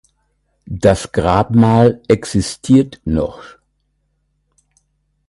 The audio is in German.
Das Grabmal existiert noch.